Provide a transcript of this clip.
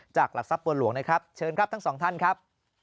หลักทรัพย์บัวหลวงนะครับเชิญครับทั้งสองท่านครับ